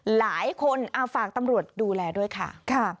หลายคนฝากตำรวจดูแลด้วยค่ะ